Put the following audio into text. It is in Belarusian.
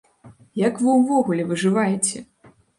Як вы ўвогуле выжываеце?